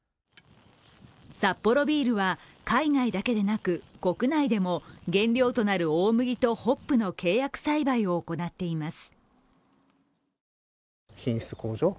サッポロビールは、海外だけでなく、国内でも原料となる大麦とホップの契約栽培を行っています。